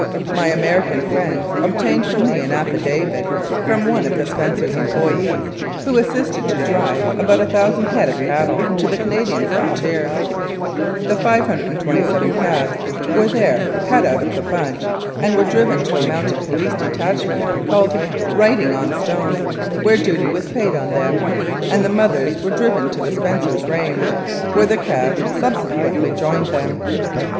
My American friends obtained for me an affidavit from one of Spencers' employees, who assisted to drive about a thousand head of cattle to the Canadian frontier ; the 527 calves were there cut out of the bunch and were driven to a Mounted Police detachment called "Writ ing on stone," where duty was paid on them, and the mothers were driven to the Spencers' range, where the calves subsequently joined them.